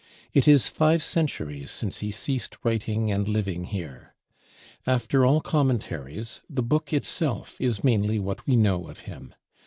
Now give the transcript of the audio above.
It is five centuries since he ceased writing and living here. After all commentaries, the Book itself is mainly what we know of him.